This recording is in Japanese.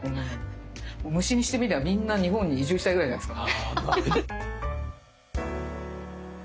虫にしてみればみんな日本に移住したいぐらいじゃないですか。